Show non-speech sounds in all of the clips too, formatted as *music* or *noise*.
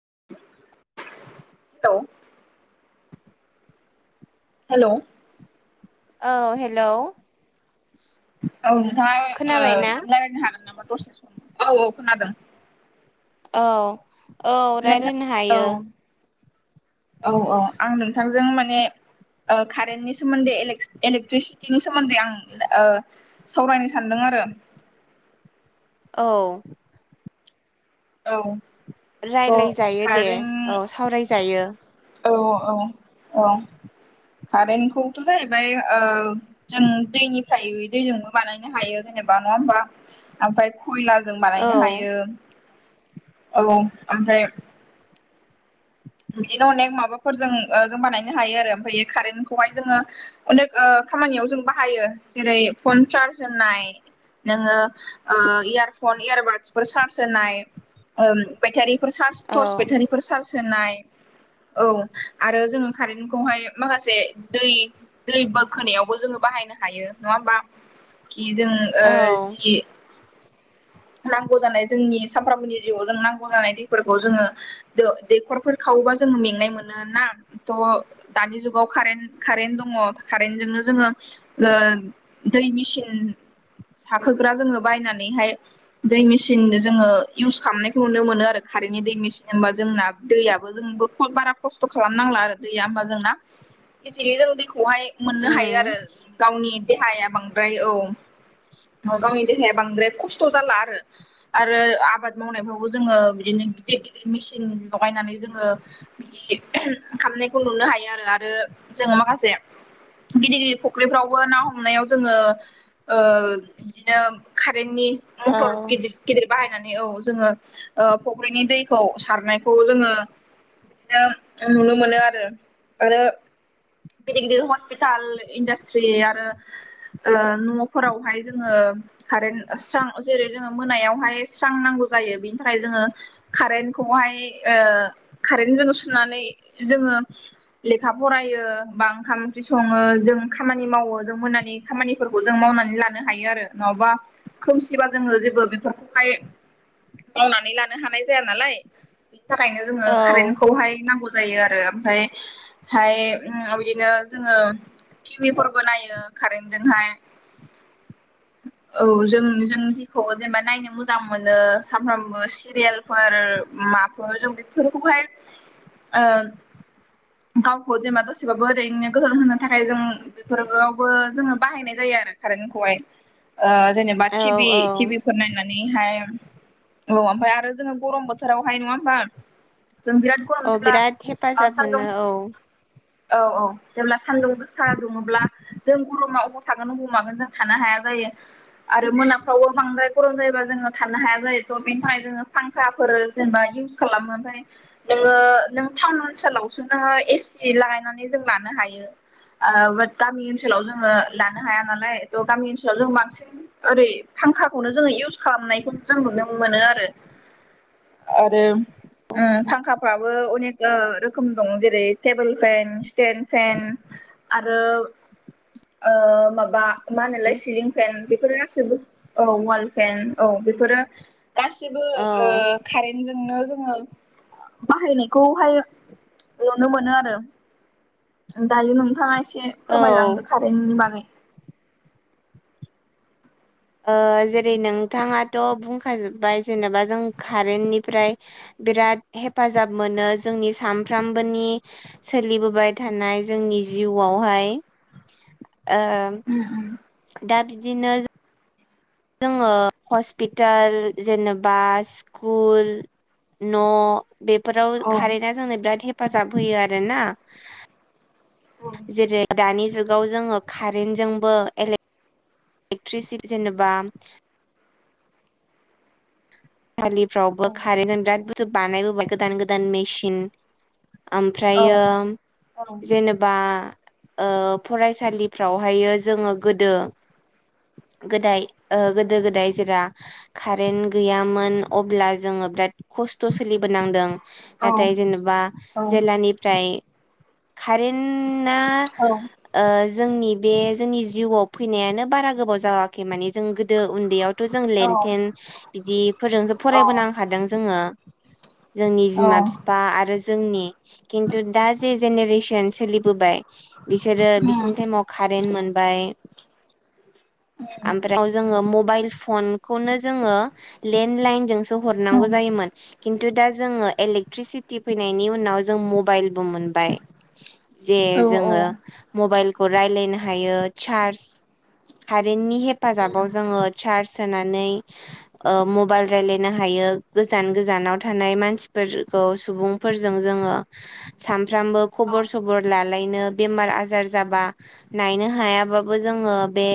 *unintelligible* *inaudible* Hello, औ hello, औ नोंथाङा ओ खोनाबायना रायलायनो हागोन नामा दसे सम? औ औ खोनादों, औ औ नोंथां रायरायनो औ हायो, औ औ आं नोंथांजों माने कारेन्टनि सोमोन्दै इलेक्स इलेक्ट्रिसिटिनि सोमोन्दै आं सावरायनो सानदों आरो आरो, औ। औ थ' राय्लाय जायो दे औ कारेन्ट सावरायजायो। औ औ औ, कारेन्टखौथ' जाहैबाय ओ जों दैनिफ्राय दैजोंबो बानायनो हायो जेनेबा जेनबा नङा होमबा ओमफ्राय खयलाजों औ बानायनो हायो औ ओमफ्राय बिदिनो अनेक माबाफोरजों जों बानायनो हायो आरो ओमफ्राय कारेन्टखौहाय जोङो अनेक ओ खामानियाव जों बाहायो जेरै फन चार्ज होनाय नोङो इयारफन इयारबादसफोर चार्ज होनाय बेटारि फोर चार्ज औ टर्स बेटारिफोर चार्ज होनाय औ आरो जोङो कारेन्टखौहाय माखासे दै दै बोखोनायावबो जोङो बाहाय नो हायो नङा होमबा जों औ जि नांगौ जानाय जोंनि सामफ्रामबोनि जिउआव जों नांगौ जानाय दैफोरखौ जोङो दैखरफोर खाव बबा जोङो मेंनाय मोनो ना दानि जुागाव कारेन्ट दङ कारेन्ट जोंनो जों ओ गो दै मेसिन साखोग्रा जोङो बायनानैहाय दै मेसिन जोङो इउस खालामनायखौ नुनो मोनो आरो कारेन्टनि दै मेसिन होनोबा जोंना दैयाबो जों बारा खसथ' खालाम नांला आरो दैआ होमबा जोंना दैखौहाय मोननो हायो उम आरो गावनि देहाया बांद्राय औ गावनि देहाया बांद्राय खस्थ' जाला। आरो आरो आबाद मावनायफ्रावबो जोङो बिदिनो गिदिर गिदिर मेसिन लगायनानै जोङो बिदि खालामनायखौ नुनो हायो आरो आरो जोङो माखासे गिदिर गिदिर फुख्रिफ्रावबो ना हमनायाव जोङो ओ बिदिनो जोंनि औ मटर गिदिर गिदिर बाहायनानै औ जोङो फुख्रिनि दैखौ सारनायखौ जोङो बिदिनो नुनो मोनो आरो आरो गिदिर गिदिर हस्पिटाल इन्डास्ट्रि आरो ओ न'फोरावहाय जोङो कारेन्ट स्रां जेरै जोङो मोनायावहाय स्रां नांगौ जायो बिनि थाखाय जोङो कारेन्टखैहाय ओ कारेन्टजों सुनानै जोङो ओ लेखा फरायो बा ओंखाम ओंख्रि सङो जों खामानि मावो जों मोनानि खामानिफोरखौ जों मावनानै लानो हायो आरो नङाबा खोमसिबा जोङो जेबो बेफोरखौहाय मावनानै लानो हानाय जाया नालाय थाखायनो जोङो औ कारेन्टखौहाय नांगौ जायो आरो ओमफ्राय हाय बिदिनो जोङो टिभिफोरबो नायो कारेन्टजोंहाय *inaudible* औ जों जों जेखौ जेनेबा नायनो मोजां मोनो सानफ्रामबो सिरियाेलफोर माफोर जों बेफोरखौहाय ओ गावखौ जेनेबा दसेबाबो ओरैनो गोहो होनो थाखाय जों बेफोरावबो जोङो बाहायनाय जायो। कारेन्ट खौहाय ओ जेनेबा औ टिभि औ टिभि फोर नायनानैहाय औ ओमफ्राय आरो जोङो गरम बोथोरावहाय नङा होमबा? जों बिराद गरम औ जेब्ला बिराद हेफाजाब सानदुं मोनो औ औ औ जेब्ला सानदुं गोसा दुङोब्ला जों गरमा अबाव थागोन अबाव मागोन जों थानो हाया जायो आरो मोनाफ्रावबो बांद्राय गरम जायोबा जोङो थानो हाया जायो बेनि थाखाय जोङो फांखा जेनेबा इउस खालामो ओमफ्राय नोङो नों टाउन ओनसोलावसो एसि लागायनानै जों लानो हायो। ओ गामि ओनसोलाव जोङो लानो हाया नालाय थ' गामि ओनसोलाव जों बांसिन ओरै फांखाखौनो जोङो इउस खालामनायखौ जों नुनो मोनो आरो आरो उम फांखाफ्राबो अनेक ओ रोखोम दं जेरै टेबोल फेन स्टेन फेन आरो ओ माबा मा होनोलाय सिलिं फेन बेफोर गासैबो औ वाल फेन औ बेफोरो गासिबो औ ओ कारेन्टजोंनो जोङो बाहायनायखौहाय नुनो मोनो आरो दायो नोंथाङा एसे औ फोरमायलांदो कारेेनटनि बागै ओ जेरै नोंथाङाथ' बुंखाजोबबाय जेनेबा जों कारेन्टनिफ्राय बिराद हेफाजाब मोनो जोंनि सानफ्रामबोनि सोलिबोबाय थानाय जोंनि जिउआवहाय ओ उम दा बिदिनो जोङो हस्पिटाल जेनेबा स्कुल न' बेफोराव उम कारेन्टआ जोंनो बिराद हेफाजाब होयो आरोना। जेरै दानि जुगाव *unintelligible* जुगाव जोङो कारेन्टजोंबो इलेक्ट्रिसि जेनेबा *unintelligible* दालिफ्रावबो औ खारेनजों बिराद बुरजा बानायबोबाय गोदान गोदान मेसिन औ ओमफ्रायो औ जेनेबा ओ फरायसालिफ्रावहायो जोङो गोदो गोदाय ओ गोदो गोदाय जेरा कारेन्ट गैया मोन अब्ला जोङो बिराद खस्थ' सोलिबोनांदों औ नाथाय जेनेबा जेलानिफ्राय खारेन्टना औ ओ जोंनि बे जोंनि जिउआव फैनायानो बारा गोबाव जायाखै माने जों गोदो उन्दैयावथ' जों औ लेन थेन बिदिफोरजोंसो फरायबोनांखादों जोङो जोंनि औ बिमा बिफा आरो जोंनि खिन्थु दा जे जेनेरेसन सोलिबोबाय बिसोरो उम बिसोरनि टाइमाव कारेन्ट मोन बाय ओमफ्राय जोङो मबाइल फनखौनो जोङो लेण्ड लाइन जोंसो हरनांगौ उम जायोमोन खिन्थु दा जोङो इलेकट्रिसिटि फै नायनि उनाव जों मबाइलबो मोनबाय जे औ जोङो उम मबाइल खौ रायलायनो हायो चार्ज कारेन्टनि हेफाजाबाव जोङो चार्ज होनानै ओ मबाइल रायलायनो हायो गोजान गोजानाव थानाय मानसिफोरखौ सुबुंफोरजों जों सानफ्रामबो औ खबर सबर लालायनो बेमार आजार जाबा नायनो हायाबाबो जोङो बे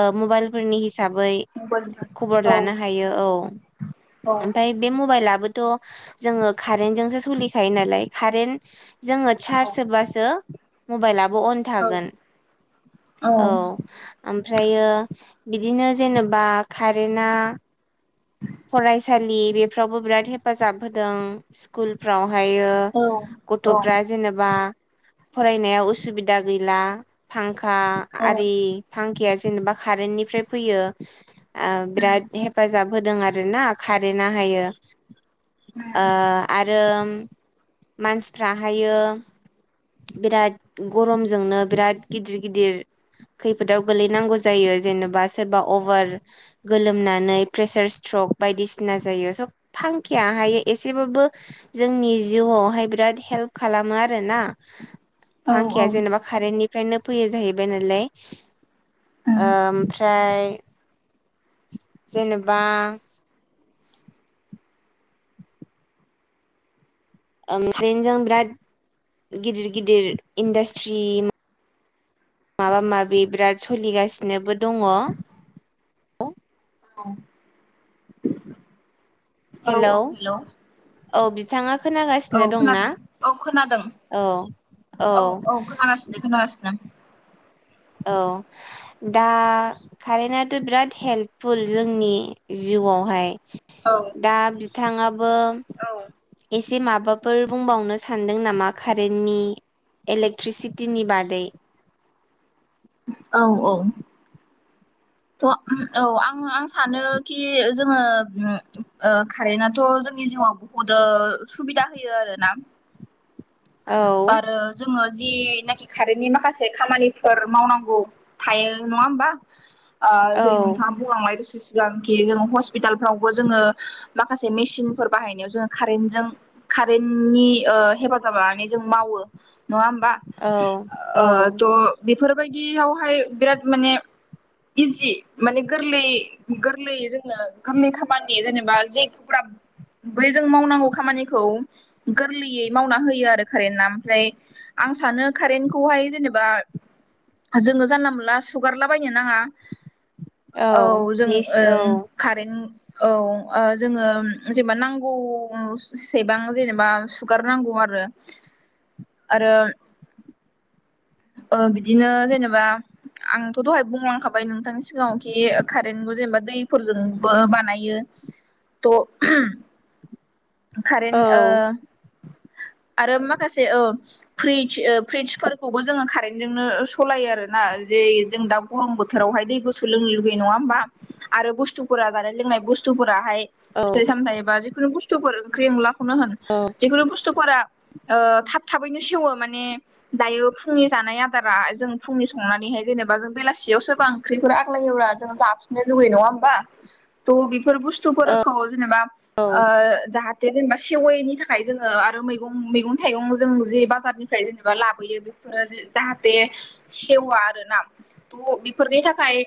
ओ मबाइलफोरनि हिसाब बै मबाइल खबर औ लानो हायो औ औ ओमफाय बे मबाइलाबो थ' जोङो कारेनजोंसो सोलिखायो नालाय कारेन जोङो चार्ज होबासो मबाइला अन थागोन औ ओमफ्रायो बिदिनो जेनेबा कारेन्टआ फरायसालि बेफ्रावबो बिराद हेफाजाब होदों स्कुलफ्राव ओमहायो औ औ गथ'फ्रा जेनेबा फरायनायाव उसुबिदा गैला फांखा औ आरि फां खेया जेनेबा कारेन्टनिफ्राय फैयो ओ बिराद हेफाजाब होदों आरो ना खारेन्टहाआयो ओ आरो मानसिफ्राहायो बिराद गरमजोंनो बिराद गिदिर गिदिर खैफोदाव गोलैनांगौ जायो जेनेबा सोरबा अभार गोलोमना नै जिउआवहाय बिराद हेल्फ खालामो आरो ना औ फांखाया जेनेबा खारेननि ओफ्रायनो फैयो जाहैबाय नालाय ओमफ्राय *inaudible* जेनेबा ओमफ्रायनो जों बिराद गिदिर गिदिर इन्डास्ट्रि माबा माबि बिराद स'लिगासिनोबो दङ औ औ हेलौ औ हेल'। औ बिथाङा औ खोनागासिनो दंना? खोनादों औ खोनादों औ। औ औ खोनागासिनो खोनागासिनो। औ। दा खारेनाथ' बिराद हेल्पफुल जोंनि जि जिउवावहाय। औ दा बिथाङाबो औ एसे मा बाफोर बुंबावनो सानदों नामा खारेननि इलेक्ट्रिसिटिनि बादै? औ औ। थ' औ आं आं सानो कि जोङो ओ खारेनाथ' जों जोंनि जिउआव बुहुदो सुबिदा होयो आरोना। औ आरो जोङो जिनाखि खारेननि माखासे खामानिफोर मावनांगौ थायो नङा होमबा? आ औ जे नोंथाङा बुंलांबाय सि सिगांखि जोङो हस्पितालफ्रावबो जोङो माखासे मेसिनफोर बाहायनायाव जोङो खारेनजों खारेननि ओ हेफाजाब जाब लानानै जों मावो औ ओ औ त बेफोर बायदियावहाय बिराद माने इजि माने गोरलै गोरलैयै जोंनो गोरलै खामानि जेनेबा जे गोब्राब बै जों मावनांगौ खामानिखौ गोरलैयै मावना हो यो आरो खारोना ओमफ्राय आं सानो खारेनखौहाय जेनेबा जोङो जानला मोनला सुगारलाबायनो नाङा। औ जों मिस औ ओं खारेन औ ओ जोङो जेनेबा नांगौसेबां जेनेबा सुगार नांगौ आरो। आरो ओ बिदिनो जेनेबा आंथ' दहाय बुंलांखाबाय नोंथांनि सिगाङाव कि खारेन्टखौ जेनेबा दैफोरजोंबो बानायो। त' खारेन औ ओ आरो माखासे ओ फ्रिच ओ फ्रिचफोरखौबो जोङो खारेन्टजोंनो सलायो आरोना। जे जों दा गरम बोथोरावहाय दै गुसु लोंनो लुगैयो नङा होमबा आरो बुस्थुफोरा जानाय लोंनाय बुस्थु थुफोराहाय औ फिथाइ सामथाइ बा जिखुनु बुस्थुफोर ओंख्रि ओंलाखौनो होन औ जिखुनु बुस्थुफोरा ओ थाब थाबैनो सेवो माने दायो फुंनि जानाय आदारा जों फुंनि संनानै फाय जेनेबा जों बेलासेयाव सोरबा ओंख्रिफोर आग्लायोबा जों जाफिननो लुगैयो नङा होमबा त बि फोर बुस्थुफोरखौ जेनेबा औ ओ जाहाथे जेनेबा सेवैनि थाखाय जोङो आरो मै गं मैगं थाइगं जों जे बाजारनिफ्राय जेनेबा लाबो बेफोरो जे सेवा आरोना थ' बेफोरनि थाखाय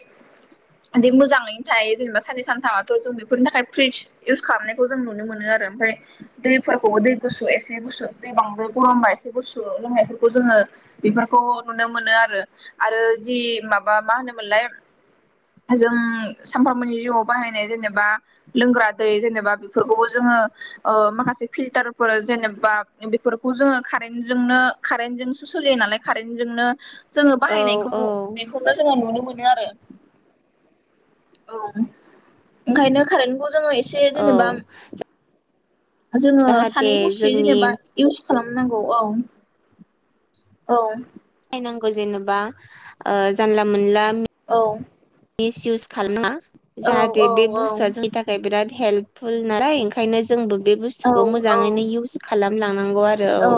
जेन मोजाङैनो थायो जेनेबा साननै सानथामाथ' जों बेफोरनि थाखाय फ्रिज इउस खालामनायखौ जों नुनो मोनो आ आरो ओमफाय दैफोरखौबो दै गुसु एसे एसे गुसु दै बांद्राय गरमबा एसे गुसु लोंनायफोरखौ जोङो बेफोरखौ नुनो मोनो आरो। आरो जि माबा मा होनोमोनलाय जों सामफ्रामबोनि जिवाव बाहायनाय जेनेबा लोंग्रा दै जेनेबा बेफोरखौबो जों ओ ओ माखासे फिल्टारफोर जेनेब बा बेफोरखौ जोङो खारेेनटजोंनो खारेेनटजोंसो सोलियो नालाय खारेेनटजोंनो जोङो औ बाहायनायखौ औ बेखौनो जोङो नुनो मोनो आरो। औ ओंखायनो खारेन्टखौ जोङो एसे औ जेनेबा जोङो जाहाथे सानै हसेयै जोंनि जेनेबा इउस खालामनांगौ औ औ। नांग' जेनेबा ओ जानला मोनला औ मिस इउस खालामा औ जाहाथे बे औ बुस्थुआ जोंनि थाखाय बिराद हेल्पफुल नालाय ओंखायनो जोंबो बे बुस्थुखौ औ मोजाङैनो औ इउस खालाम लां नांगौ आरो औ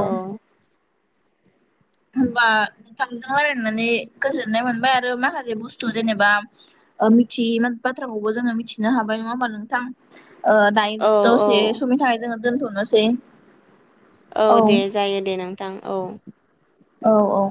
औ। होमबा नोंथांजों रायलायनानै गोजोननाय मोनबाय आरो माखासे बुस्थु जेनेबा ओ मिथियै बाथ्राखौबो जोङो मिथिनो हाबाय नङा होमबा नोंथां? ओ दाइन औ औ दसे समनि थाखाय जोङो दोनथ'नोसै। औ दे जायो दे नोंथां औ। औ औ।